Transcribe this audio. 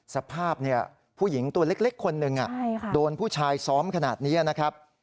สภาพผู้หญิงตัวเล็กคนหนึ่งโดนผู้ชายซ้อมขนาดนี้นะครับ